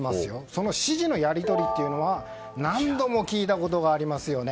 その指示のやり取りというのは何度も聞いたことがありますよね